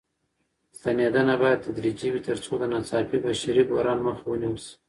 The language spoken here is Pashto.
ستنېدنه بايد تدريجي وي تر څو د ناڅاپي بشري بحران مخه ونيول شي.